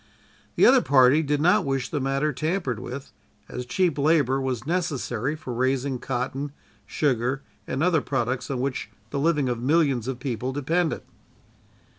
The other party did not wish the matter tampered with, as cheap labor was necessary for raising cotton, sugar and other products on which the living of millions of people depended.